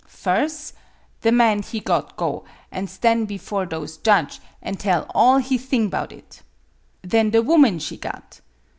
Firs', the man he got go an' stan' bifore those judge, an' tell all he thing 'bout it. Then the woman she got.